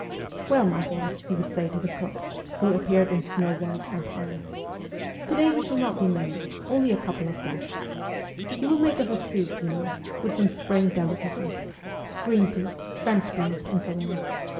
' Well, my boy,' he would say to the cook, who appeared in snow white attire, ' to day we shall not be many : only a couple of guests. You will make us a soup, you know, with some spring delicacies green peas, French beans, and so on.